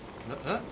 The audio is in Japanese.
えっ？